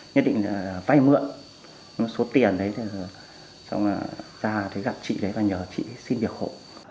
nhất định là vay mượn số tiền đấy xong là ra thấy gặp chị đấy và nhờ chị xin việc hộ